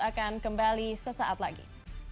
akan kembali sesaat lagi